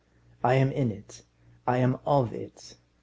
I am in it. I am of it.